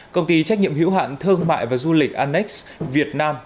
công ty trách nhiệm hữu hạn thương mại và du lịch annex việt nam